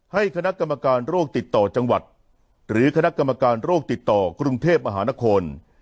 ให้คณะกรรมการโรคติดต่อจังหวัดหรือคณะกรรมการโรคติดต่อกรุงเทพมหานคร